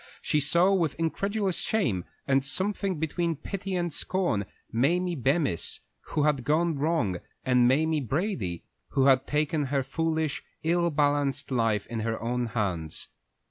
She saw with incredulous shame, and something between pity and scorn, Mamie Bemis, who had gone wrong, and Mamie Brady, who had taken her foolish, ill balanced life in her own hands.